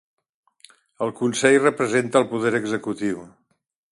El Consell representa el poder executiu.